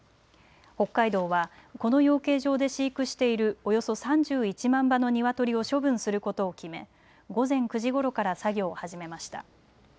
北海道はこの養鶏場で飼育しているおよそ３１万羽のニワトリを処分することを決め午前９時ごろから作業を始めました。